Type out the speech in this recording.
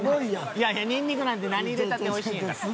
いやいやニンニクなんて何入れたっておいしいんやから。